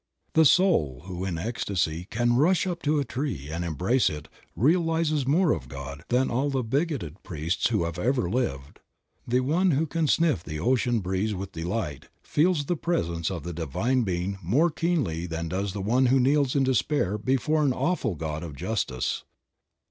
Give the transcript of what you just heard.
The soul who in ecstasy can rush up to a tree and embrace it realizes more of God than all the bigoted priests who have ever lived. The one who can sniff the ocean breeze with delight feels the presence of the divine being more keenly than does the one who kneels in despair before an awful God of Justice.